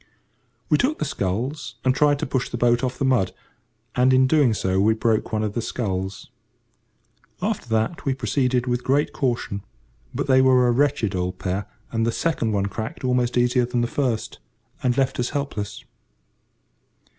We took the sculls and tried to push the boat off the mud, and, in doing so, we broke one of the sculls. After that we proceeded with great caution, but they were a wretched old pair, and the second one cracked almost easier than the first, and left us helpless.